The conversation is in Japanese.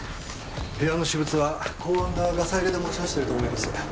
部屋の私物は公安がガサ入れで持ち出してると思います。